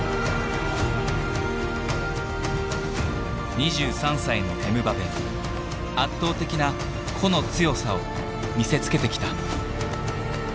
２３歳のエムバペ圧倒的な個の強さを見せつけてきた。